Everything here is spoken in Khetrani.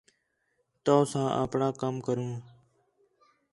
تؤ ساں اپݨاں کَم کروں